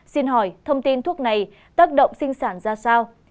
xin hỏi thông tin thuốc này tác động sinh sản ra sao